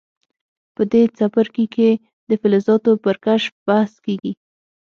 په دې څپرکي کې د فلزاتو پر کشف بحث کیږي.